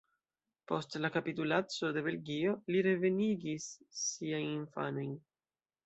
Post la kapitulaco de Belgio li revenigis siajn infanojn.